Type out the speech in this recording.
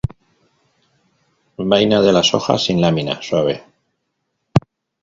Vaina de la hojas sin lámina, suave.